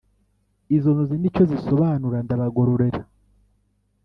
Izo nzozi n,icyo zisobanura ndabagororera